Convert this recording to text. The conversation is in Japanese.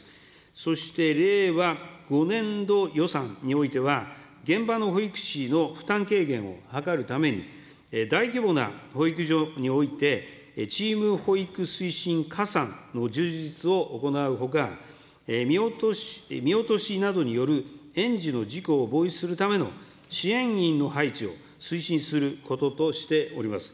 そして令和５年度予算においては、現場の保育士の負担軽減を図るために、大規模な保育所において、チーム保育推進かさんの充実を行うほか、見落としなどによる園児の事故を防止するための支援員の配置を推進することとしております。